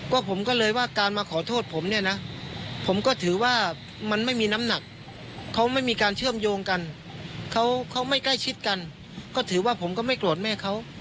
ก็ผมก็เลยว่าการมาขอโทษผมเนี่ยนะผมก็ถือว่ามันไม่มีน้ำหนักเขาไม่มีการเชื่อมโยงกันเขาไม่ใกล้ชิดกันก็ถือว่าผมก็ไม่โกรธแม่เขา